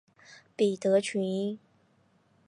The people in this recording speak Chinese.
德比郡。